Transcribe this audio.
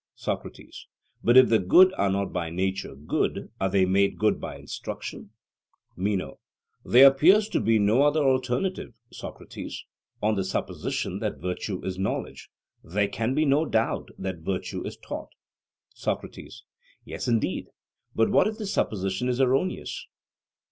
SOCRATES: But if the good are not by nature good, are they made good by instruction? MENO: There appears to be no other alternative, Socrates. On the supposition that virtue is knowledge, there can be no doubt that virtue is taught. SOCRATES: Yes, indeed; but what if the supposition is erroneous?